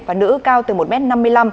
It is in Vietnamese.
và nữ cao từ một m năm mươi năm